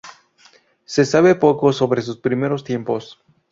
Se sabe poco sobre sus primeros tiempos.